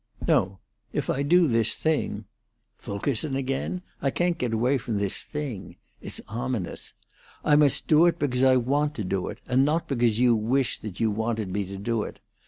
No; if I do this thing Fulkerson again? I can't get away from 'this thing'; it's ominous I must do it because I want to do it, and not because you wish that you wanted me to do it.